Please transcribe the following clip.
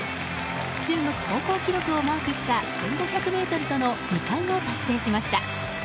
中国高校記録をマークした１５００ｍとの２冠を達成しました。